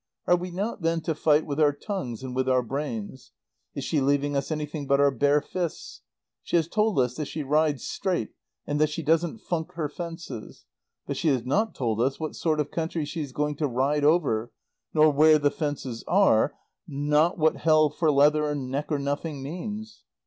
Are we not then to fight with our tongues and with our brains? Is she leaving us anything but our bare fists? She has told us that she rides straight and that she doesn't funk her fences; but she has not told us what sort of country she is going to ride over, nor where the fences are, not what Hell for leather and Neck or nothing means.